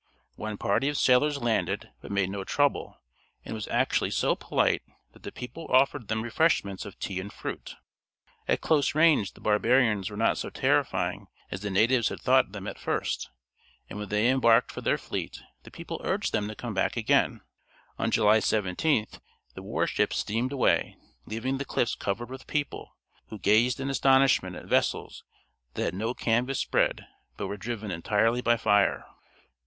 One party of sailors landed, but made no trouble, and was actually so polite that the people offered them refreshments of tea and fruit. At close range the barbarians were not so terrifying as the natives had thought them at first, and when they embarked for their fleet the people urged them to come back again. On July 17th the war ships steamed away, leaving the cliffs covered with people, who gazed in astonishment at vessels that had no canvas spread, but were driven entirely by fire.